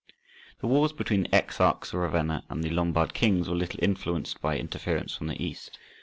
The wars between the Exarchs of Ravenna and the Lombard kings were little influenced by interference from the East.